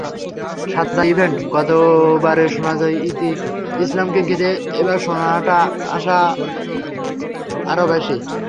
সান্দা ইভেন্টে গতবারের সোনাজয়ী ইতি ইসলামকে ঘিরে এবার সোনার আশাটা আরও বেশি।